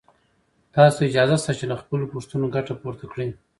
تاسو ته اجازه شته چې له خپلو پوښتنو ګټه پورته کړئ.